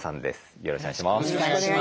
よろしくお願いします。